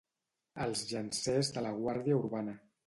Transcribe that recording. Els Llancers de la Guàrdia Urbana.